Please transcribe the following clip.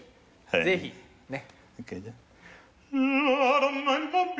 ・ぜひねっ。